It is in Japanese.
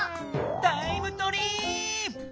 タイムトリーップ！